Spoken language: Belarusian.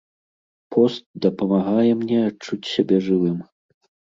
Пост дапамагае мне адчуць сябе жывым.